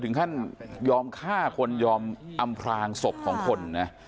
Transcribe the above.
ท่านยอมฆ่าคนยอมอำพลางศพของคนนะ